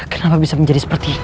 kenapa bisa menjadi seperti